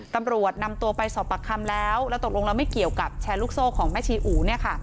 ตำรวจนำตัวไปสอบปากคำแล้วแล้วตกลงแล้วไม่เกี่ยวกับแชร์ลูกโซ่ของแม่ชีอู๋